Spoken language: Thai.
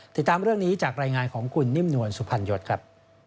ติดตามเรื่องนี้จากรายงานของคุณนิ่มนวลสุพรรณยศครับ